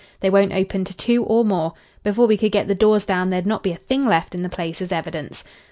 They won't open to two or more. Before we could get the doors down there'd not be a thing left in the place as evidence."